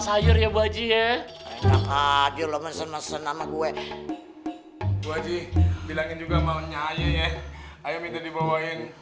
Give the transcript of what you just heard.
sayur ya wajib aja lo mesen mesen sama gue wajib bilangin juga mau nyayah ayo minta dibawain